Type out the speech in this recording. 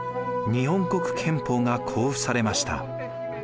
日本国憲法が公布されました。